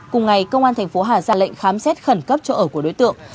cùng ngày công an thành phố hà ra lệnh khám xét khẩn cấp chỗ ở của đối tượng